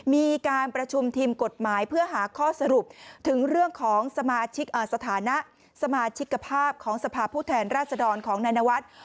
มีการประชุมทีมกฎหมายเพื่อหาข้อสรุปถึงเรื่องของสมาชิกสถานะสมาชิกภาพของสภาพผู้แทนราชดรของนายนวัฒน์